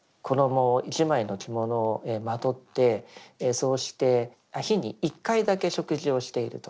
衣一枚の着物をまとってそうして日に１回だけ食事をしていると。